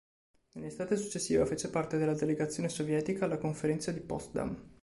Nell'estate successiva fece parte della delegazione sovietica alla Conferenza di Potsdam.